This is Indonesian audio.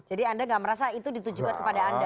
jadi anda enggak merasa itu ditujukan kepada anda